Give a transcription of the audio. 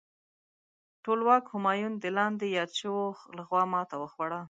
ټولواک همایون د لاندې یاد شویو لخوا ماته وخوړه.